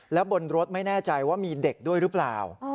แล้วบนรถไม่แน่ใจว่ามีเด็กด้วยหรือเปล่า